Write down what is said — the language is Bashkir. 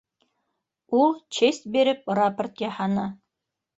Ул честь биреп, рапорт яһаны.